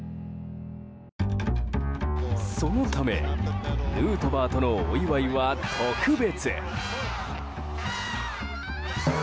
そのためヌートバーとのお祝いは特別。